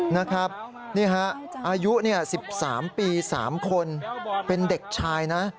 นี่ฮะอายุ๑๓ปี๓คนเป็นเด็กชายนะ